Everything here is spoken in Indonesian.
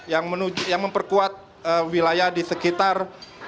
yang memperkuat wilayah di sekitar